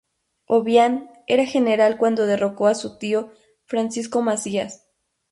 Obiang era general cuando derrocó a su tío, Francisco Macías.